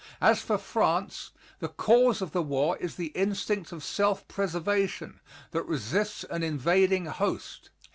As for France, the cause of the war is the instinct of self preservation, that resists an invading host.